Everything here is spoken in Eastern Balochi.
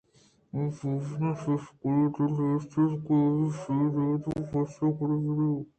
بِہ زاں شکاری ئِے ءِ دل ءِ ہمیش اِتاں کہ آئی (شیر) ءَ زندگ ءَ بادشاہ ءِ کرّا بہ براں